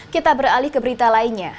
kita beralih ke berita lainnya